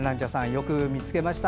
よく見つけました。